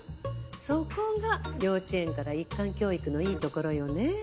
そこが幼稚園から一貫教育のいいところよね。